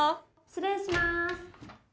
失礼します。